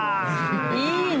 いいね。